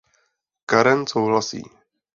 Karen souhlasí.